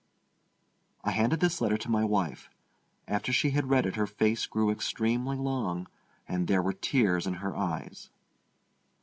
I handed this letter to my wife. After she had read it her face grew extremely long, and there were tears in her eyes.